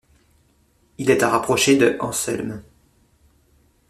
Il est à rapprocher de Anselme.